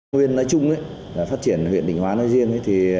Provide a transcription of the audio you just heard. nguyên nói chung phát triển huyện bình hóa nói riêng